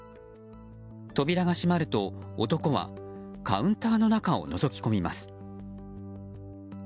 扉が閉まると、男はカウンターの中をのぞき込みます。